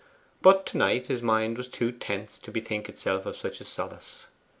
But to night his mind was too tense to bethink itself of such a solace.